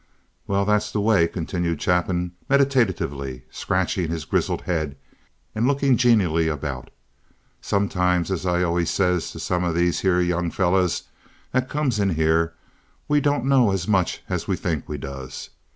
"Well, that's the way," continued Chapin, meditatively, scratching his grizzled head and looking genially about. "Sometimes, as I allers says to some of these here young fellers that comes in here, we don't know as much as we thinks we does.